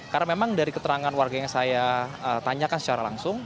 karena memang dari keterangan warga yang saya tanyakan secara langsung